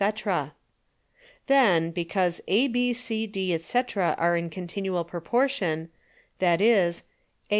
_ Then, because A, B, C, D, &c. are in continual proportion, That is, A.